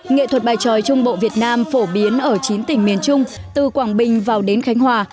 nghệ thuật bài tròi trung bộ việt nam phổ biến ở chín tỉnh miền trung từ quảng bình vào đến khánh hòa